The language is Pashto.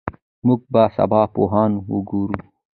موږ به سبا پوهان وګورو.